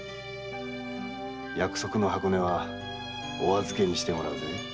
約束の箱根はおあずけにしてもらうぜ。